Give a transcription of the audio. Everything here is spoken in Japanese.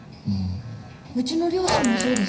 うちの両親もそうです。